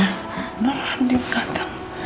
benar adi mau datang